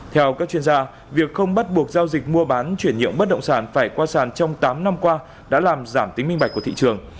theo các chuyên gia việc không bắt buộc giao dịch mua bán chuyển nhượng bất động sản phải qua sàn trong tám năm qua đã làm giảm tính minh bạch của thị trường